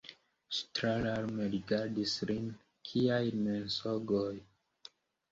Ŝi tralarme rigardis lin: “Kiaj mensogoj?